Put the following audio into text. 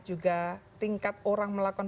juga tingkat orang melakukan